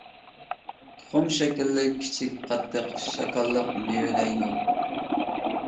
تۇخۇم شەكىللىك كىچىك قاتتىق شاكاللىق مېۋىلەيدۇ.